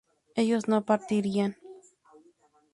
ellos no partirían